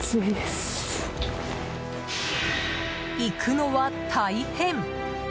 行くのは大変！